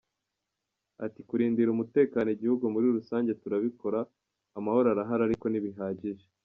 Ati “Kurindira umutekano igihugu muri rusange turabikora, amahoro arahari ariko ntibihagije.